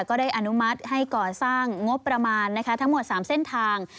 ก็ได้อนุมัติให้ก่อสร้างงบประมาณทั้งหมด๓เส้นทาง